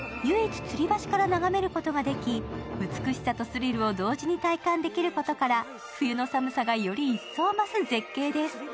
唯一、つり橋から眺めることができ美しさとスリルを同時に体感できることから冬の寒さがより一層増す絶景です。